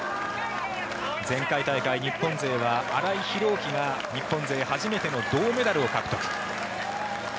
前回大会日本勢は荒井広宙が日本勢初めての銅メダルを獲得。